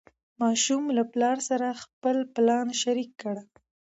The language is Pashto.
ماشوم له پلار سره خپل پلان شریک کړ